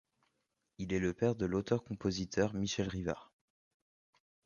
Il est le père de l'auteur-compositeur Michel Rivard.